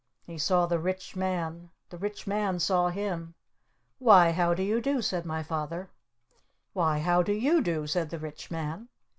He saw the Rich Man. The Rich Man saw him. "Why, how do you do?" said my Father. "Why, how do you do?" said the Rich Man.